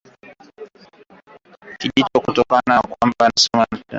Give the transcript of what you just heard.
Kijiko cha chakula moja kilichojaa kabisa siagi gram arobaini